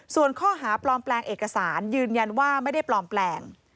ส่วนข้อหาปลอมแปลงเอกสารยืนยันว่าไม่ได้ปลอมแปลง